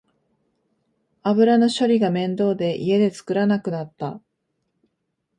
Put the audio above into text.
油の処理が面倒で家で作らなくなった